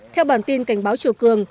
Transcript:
theo bản tin cảnh báo triều cường